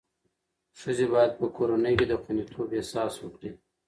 ښځې باید په کورنۍ کې د خوندیتوب احساس وکړي.